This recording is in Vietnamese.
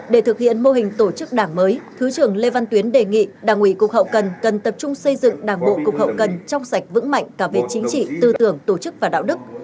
để thực hiện mô hình tổ chức đảng mới thứ trưởng lê văn tuyến đề nghị đảng ủy cục hậu cần cần tập trung xây dựng đảng bộ cục hậu cần trong sạch vững mạnh cả về chính trị tư tưởng tổ chức và đạo đức